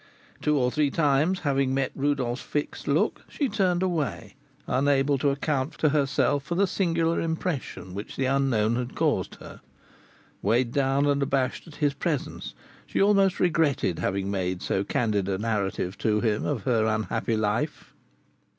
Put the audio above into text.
Two or three times, having met Rodolph's fixed look, she turned away, unable to account to herself for the singular impression which the unknown had caused her. Weighed down and abashed at his presence, she almost regretted having made so candid a narrative to him of her unhappy life.